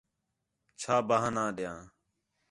چھا بہانہ ڈیاں